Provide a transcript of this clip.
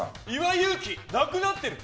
勇気、なくなってる！